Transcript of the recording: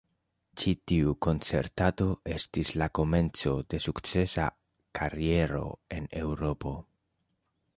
Ĉi tiu koncertado estis la komenco de sukcesa kariero en Eŭropo.